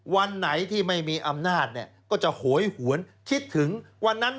วันไหนที่ไม่มีอำนาจเนี่ยก็จะโหยหวนคิดถึงวันนั้น